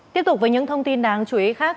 tiếp tục với những thông tin đáng chú ý khác